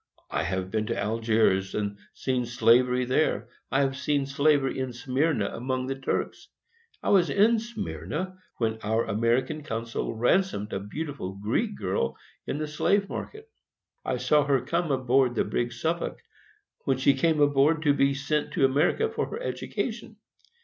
I have been to Algiers, and seen slavery there. I have seen slavery in Smyrna, among the Turks. I was in Smyrna when our American consul ransomed a beautiful Greek girl in the slave market. I saw her come aboard the brig Suffolk, when she came on board to be sent to America for her education.